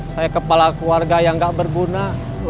saya kepala keluarga yang gak berguna